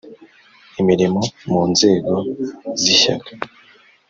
Imirimo mu nzego z ishyaka